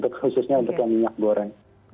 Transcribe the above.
khususnya untuk yang minyak goreng